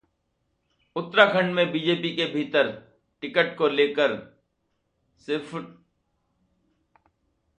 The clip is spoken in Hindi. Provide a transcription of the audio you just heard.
उत्तराखंड में बीजेपी के भीतर टिकट को लेकर सिरफुटौव्वल जारी...